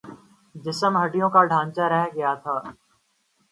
جسم ہڈیوں کا ڈھانچا رہ گیا تھا